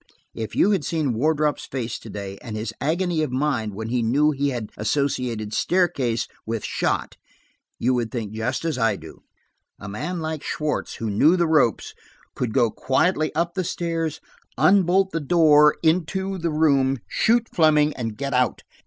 If you had seen Wardrop's face to day, and his agony of mind when he knew he had associated 'staircase' with 'shot,' you would think just as I do. A man like Schwartz, who knew the ropes, could go quietly up the stairs, unbolt the door into the room, shoot Fleming and get out.